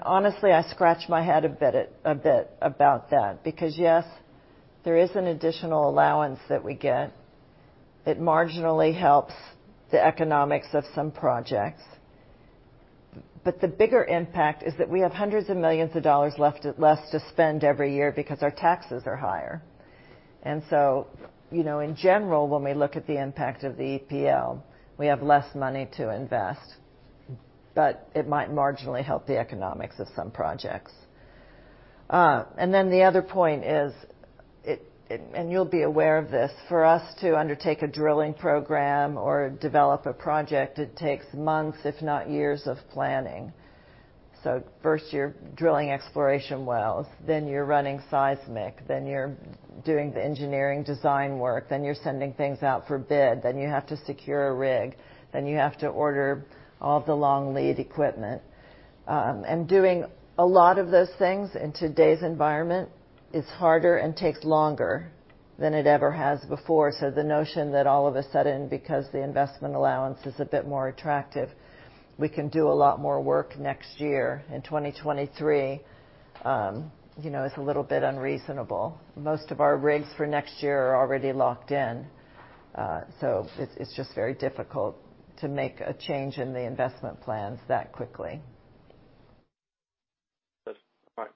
Honestly, I scratch my head a bit about that because, yes, there is an additional allowance that we get. It marginally helps the economics of some projects. The bigger impact is that we have hundreds of millions of dollars less to spend every year because our taxes are higher. You know, in general, when we look at the impact of the EPL, we have less money to invest. It might marginally help the economics of some projects. The other point is, and you'll be aware of this. For us to undertake a drilling program or develop a project, it takes months, if not years, of planning. First you're drilling exploration wells, then you're running seismic, then you're doing the engineering design work, then you're sending things out for bid, then you have to secure a rig, then you have to order all the long lead equipment. Doing a lot of those things in today's environment is harder and takes longer than it ever has before. The notion that all of a sudden, because the investment allowance is a bit more attractive, we can do a lot more work next year in 2023, you know, is a little bit unreasonable. Most of our rigs for next year are already locked in, so it's just very difficult to make a change in the investment plans that quickly. All right.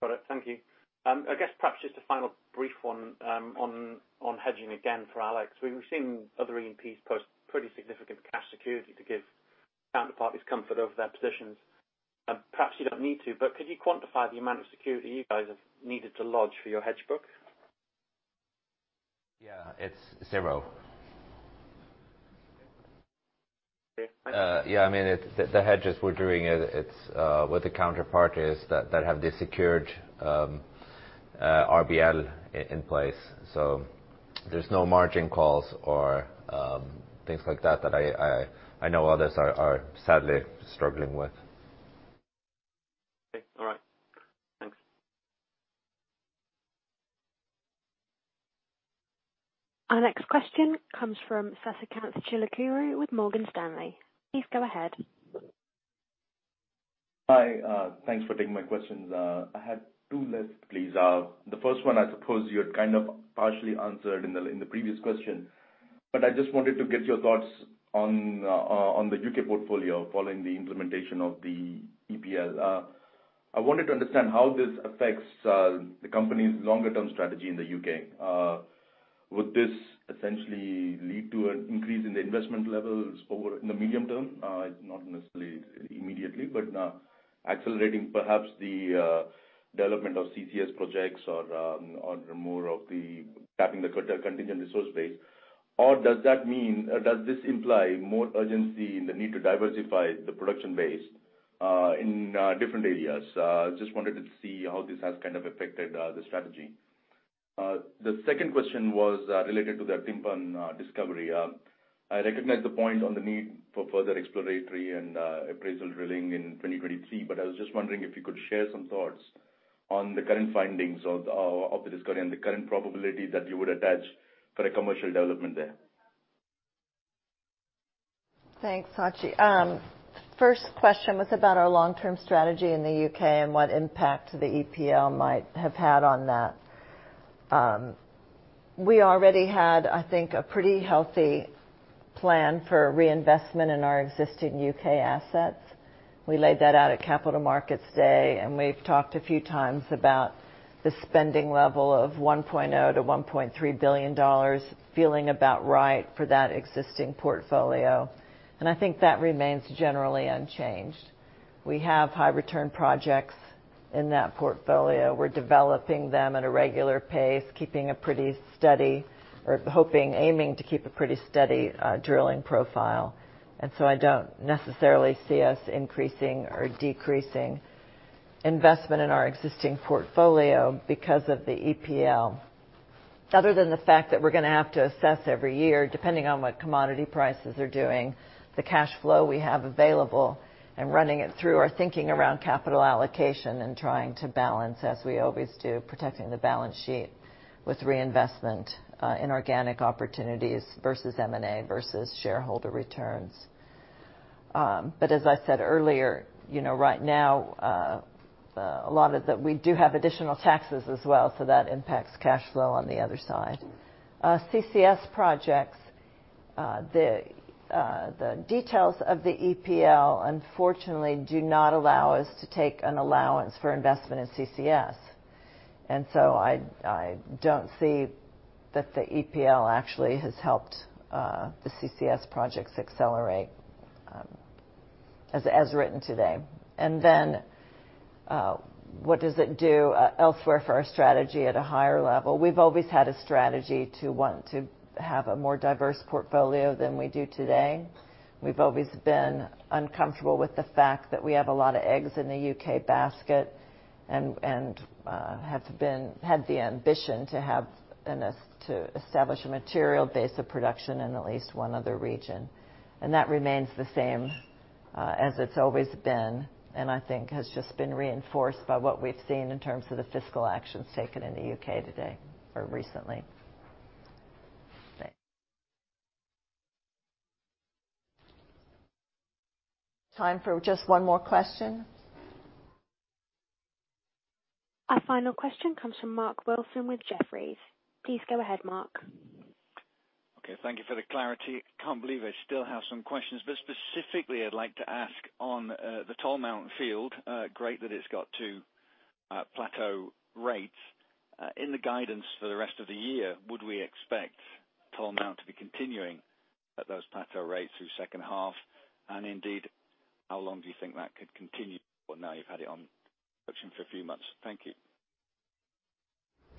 Got it. Thank you. I guess perhaps just a final brief one, on hedging again, for Alex. We've seen other E&Ps post pretty significant cash security to give counterparties comfort over their positions. Perhaps you don't need to, but could you quantify the amount of security you guys have needed to lodge for your hedge book? Yeah, it's zero. Okay. Yeah, I mean, it's the hedges we're doing. It's with the counterparties that have the secured RBL in place. There's no margin calls or things like that that I know others are sadly struggling with. Okay. All right. Thanks. Our next question comes from Sasikanth Chilukuru with Morgan Stanley. Please go ahead. Hi. Thanks for taking my questions. I have two left please. The first one, I suppose you had kind of partially answered in the previous question. I just wanted to get your thoughts on the U.K. portfolio following the implementation of the EPL. I wanted to understand how this affects the company's longer-term strategy in the U.K. Would this essentially lead to an increase in the investment levels over in the medium term? Not necessarily immediately, but accelerating perhaps the development of CCS projects or more of the tapping the contingent resource base? Or does this imply more urgency in the need to diversify the production base in different areas? Just wanted to see how this has kind of affected the strategy. The second question was related to the Timpan discovery. I recognize the point on the need for further exploratory and appraisal drilling in 2023, but I was just wondering if you could share some thoughts on the current findings of the discovery and the current probability that you would attach for a commercial development there. Thanks, Sasikanth Chilukuru. First question was about our long-term strategy in the U.K. and what impact the EPL might have had on that. We already had, I think, a pretty healthy plan for reinvestment in our existing U.K. assets. We laid that out at Capital Markets Day, and we've talked a few times about the spending level of $1.0-1.3 billion feeling about right for that existing portfolio, and I think that remains generally unchanged. We have high return projects in that portfolio. We're developing them at a regular pace, aiming to keep a pretty steady drilling profile. I don't necessarily see us increasing or decreasing investment in our existing portfolio because of the EPL. Other than the fact that we're gonna have to assess every year, depending on what commodity prices are doing, the cash flow we have available, and running it through our thinking around capital allocation and trying to balance, as we always do, protecting the balance sheet with reinvestment in organic opportunities versus M&A versus shareholder returns. As I said earlier, you know, right now, we do have additional taxes as well, so that impacts cash flow on the other side. CCS projects, the details of the EPL unfortunately do not allow us to take an allowance for investment in CCS. I don't see that the EPL actually has helped the CCS projects accelerate, as written today. What does it do elsewhere for our strategy at a higher level? We've always had a strategy to want to have a more diverse portfolio than we do today. We've always been uncomfortable with the fact that we have a lot of eggs in the U.K. basket and had the ambition to have and establish a material base of production in at least one other region. That remains the same as it's always been, and I think has just been reinforced by what we've seen in terms of the fiscal actions taken in the U.K. today or recently. Time for just one more question. Our final question comes from Mark Wilson with Jefferies. Please go ahead, Mark. Okay, thank you for the clarity. Can't believe I still have some questions, but specifically I'd like to ask on the Tolmount field. Great that it's got two plateau rates. In the guidance for the rest of the year, would we expect Tolmount to be continuing at those plateau rates through second half? And indeed, how long do you think that could continue, well, now you've had it on production for a few months? Thank you.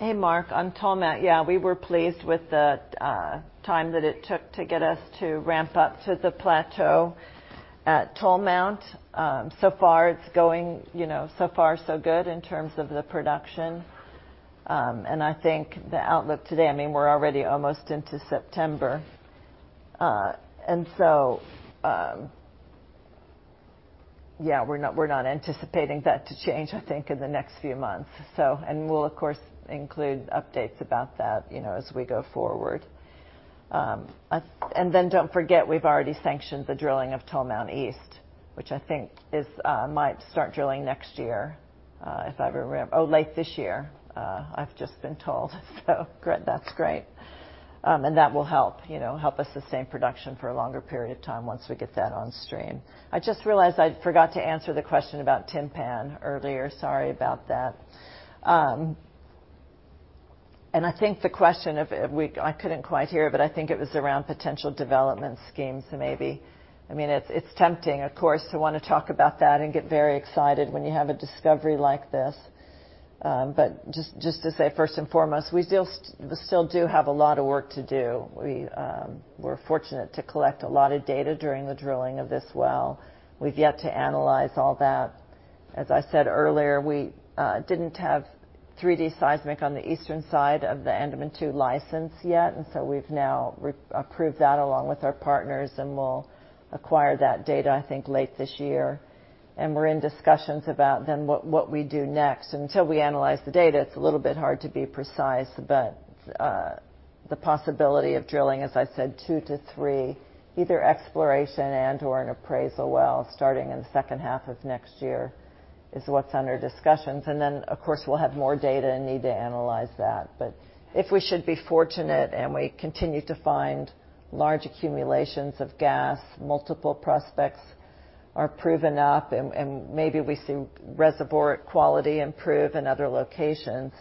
Hey, Mark. On Tolmount, yeah, we were pleased with the time that it took to get us to ramp up to the plateau at Tolmount. So far it's going, you know, so far so good in terms of the production. I think the outlook today, I mean, we're already almost into September, and so. Yeah, we're not anticipating that to change, I think, in the next few months. We'll of course include updates about that, you know, as we go forward. Then don't forget, we've already sanctioned the drilling of Tolmount East, which I think might start drilling next year, if I remember. Oh, late this year, I've just been told. So that's great. That will help, you know, help us to sustain production for a longer period of time once we get that on stream. I just realized I forgot to answer the question about Timpan earlier. Sorry about that. I think the question, I couldn't quite hear, but I think it was around potential development schemes, maybe. I mean, it's tempting, of course, to wanna talk about that and get very excited when you have a discovery like this. Just to say, first and foremost, we still do have a lot of work to do. We're fortunate to collect a lot of data during the drilling of this well. We've yet to analyze all that. As I said earlier, we didn't have 3D seismic on the eastern side of the Andaman Two license yet. We've now approved that along with our partners, and we'll acquire that data, I think, late this year. We're in discussions about what we do next. Until we analyze the data, it's a little bit hard to be precise, but the possibility of drilling, as I said, two to three either exploration and/or an appraisal well, starting in the second half of next year is what's under discussions. Then, of course, we'll have more data and need to analyze that. If we should be fortunate and we continue to find large accumulations of gas, multiple prospects are proven up, and maybe we see reservoir quality improve in other locations,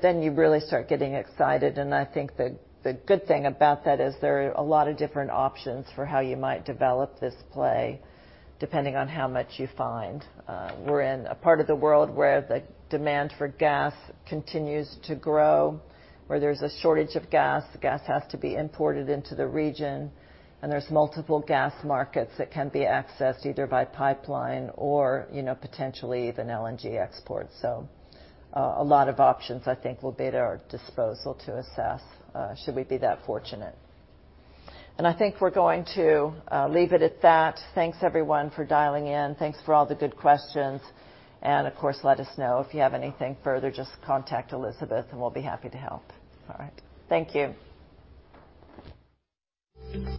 then you really start getting excited. I think the good thing about that is there are a lot of different options for how you might develop this play, depending on how much you find. We're in a part of the world where the demand for gas continues to grow, where there's a shortage of gas. Gas has to be imported into the region, and there's multiple gas markets that can be accessed either by pipeline or, you know, potentially even LNG exports. So a lot of options, I think, will be at our disposal to assess, should we be that fortunate. I think we're going to leave it at that. Thanks, everyone, for dialing in. Thanks for all the good questions. Of course, let us know if you have anything further. Just contact Elizabeth, and we'll be happy to help. All right. Thank you.